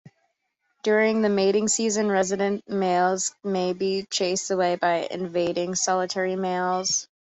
During the mating season, resident males may be chased away by invading solitary males.